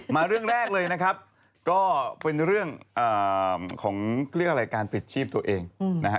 มาเรื่องแรกเลยนะครับก็เป็นเรื่องของเรื่องอะไรการปิดชีพตัวเองนะฮะ